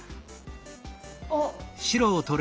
あっ。